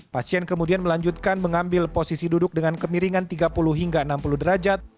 pasien kemudian melanjutkan mengambil posisi duduk dengan kemiringan tiga puluh hingga enam puluh derajat